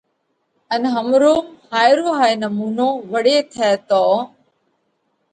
ان همروم هائي رو هائي نمُونو وۯي ٿئہ تو